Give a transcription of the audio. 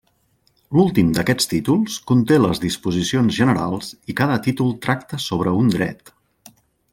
L'últim d'aquests títols conté les disposicions generals i cada títol tracta sobre un dret.